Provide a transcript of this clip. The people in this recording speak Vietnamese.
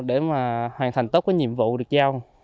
để mà hoàn thành tốt cái nhiệm vụ được giao